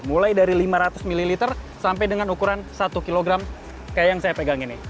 mulai dari lima ratus ml sampai dengan ukuran satu kg kayak yang saya pegang ini